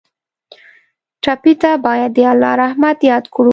ټپي ته باید د الله رحمت یاد کړو.